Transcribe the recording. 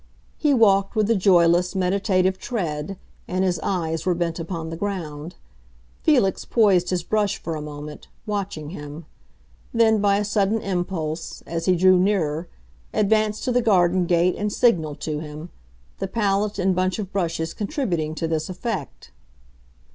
He walked with a joyless, meditative tread, and his eyes were bent upon the ground. Felix poised his brush for a moment, watching him; then, by a sudden impulse, as he drew nearer, advanced to the garden gate and signaled to him—the palette and bunch of brushes contributing to this effect.